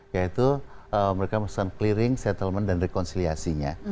yaitu mereka melakukan clearing settlement dan rekonsiliasinya